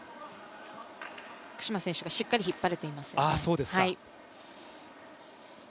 福島選手がしっかり引っ張れてますね。